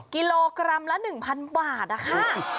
กิโลกรัมละ๑๐๐บาทนะคะ